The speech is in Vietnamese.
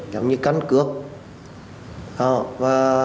giống như căn cửa